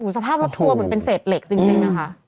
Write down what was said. สภาพรถทัวร์เหมือนเป็นเศษเหล็กจริงค่ะ